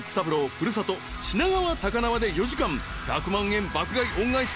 古里品川高輪で４時間１００万円爆買い恩返し